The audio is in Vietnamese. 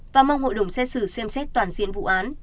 và mong hội đồng xét xử xem xét toàn diện vụ án